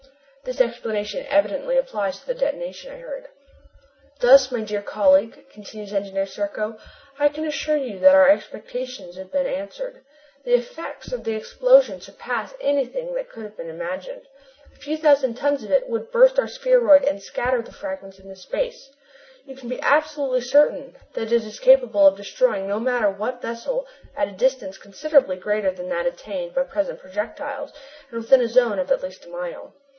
This explanation evidently applies to the detonation I heard. "Thus, my dear colleague," continues Engineer Serko, "I can assure you that our expectations have been answered. The effects of the explosive surpass anything that could have been imagined. A few thousand tons of it would burst our spheroid and scatter the fragments into space. You can be absolutely certain that it is capable of destroying no matter what vessel at a distance considerably greater than that attained by present projectiles and within a zone of at least a mile.